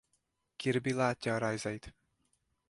Kirby látja a rajzait.